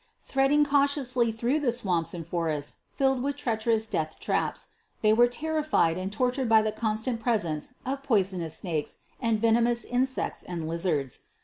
Threading cautiously through the swamps and for ests filled with treacherous death traps, they were terrified and tortured by the constant presence of poisonous snakes and venomous insects and lizards.